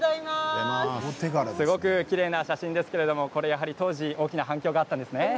すごくきれいな写真ですけれども当時大きな反響があったんですね。